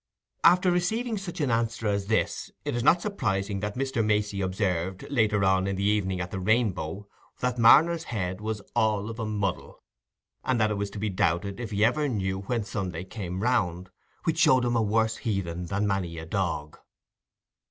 After receiving such an answer as this, it is not surprising that Mr. Macey observed, later on in the evening at the Rainbow, that Marner's head was "all of a muddle", and that it was to be doubted if he ever knew when Sunday came round, which showed him a worse heathen than many a dog.